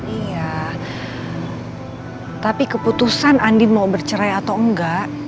iya tapi keputusan andi mau bercerai atau enggak